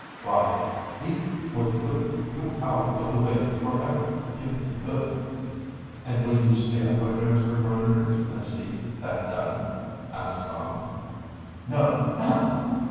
Why, he would put you out of the way forever, if he could." "And will you stand by, Jasper Grinder, and see that done?" asked Tom. "No! no!